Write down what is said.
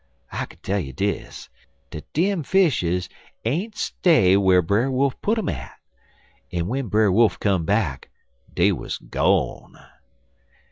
I kin tell you dis, dat dem fishes ain't stay whar Brer Wolf put um at, en w'en Brer Wolf come back dey wuz gone.